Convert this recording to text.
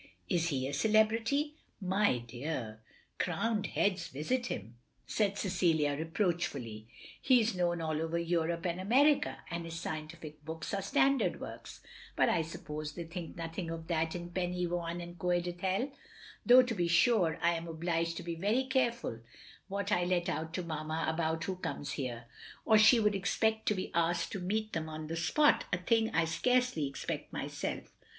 "Is he a celebrity?" "My dear! Crowned heads visit him!" said 174 THE LONELY LADY Cecilia, reproachfully. "He is known all over Europe and America ; and his scientific books are standard works. But I suppose they think nothing of that in Pen y waun and Coed Ithel. Though to be sure, I am obliged to be very careftil what I let out to Mamma about who comes here, or she would expect to be asked to meet them on the spot, a thing I scarcely expect myself.